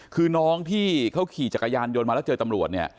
คือน้องที่เขาขี่จักรยานยนต์มาแล้วเจอตำรวจเนี่ย